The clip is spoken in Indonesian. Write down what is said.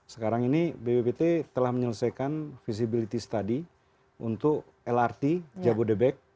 sekarang ini bbbt telah menyelesaikan feasibility study untuk lrt jabodetabek